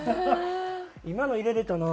今の入れれたな。